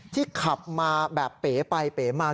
ขับมาแบบเป๋ไปเป๋มา